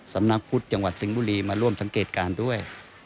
สำนักพุทธจังหวัดสิงห์บุรีมาร่วมสังเกตการณ์ด้วย